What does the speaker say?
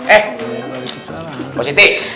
eh mbak siti